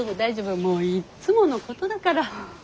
もういっつものことだから。